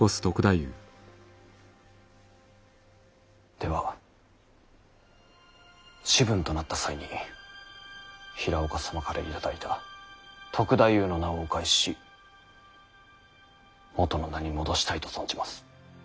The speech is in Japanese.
では士分となった際に平岡様から頂いた「篤太夫」の名をお返ししもとの名に戻したいと存じます。